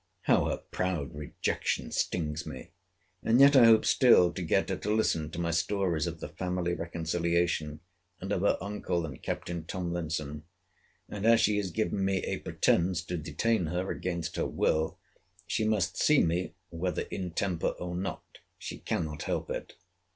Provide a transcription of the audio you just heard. How her proud rejection stings me!—And yet I hope still to get her to listen to my stories of the family reconciliation, and of her uncle and Capt. Tomlinson—and as she has given me a pretence to detain her against her will, she must see me, whether in temper or not.—She cannot help it.